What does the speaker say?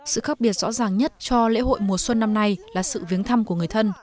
sự khác biệt rõ ràng nhất cho lễ hội mùa xuân năm nay là sự viếng thăm của người thân